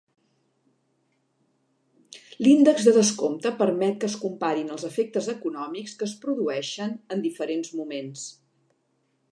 L"índex de descompte permet que es comparin els efectes econòmics que es produeixen en diferents moments.